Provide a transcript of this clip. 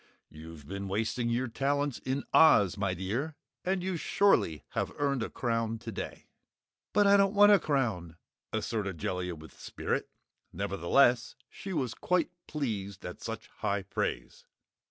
You've been wasting your talents in Oz, my dear, and you surely have earned a crown today!" "But I don't want a crown!" asserted Jellia with spirit. Nevertheless she was quite pleased at such high praise.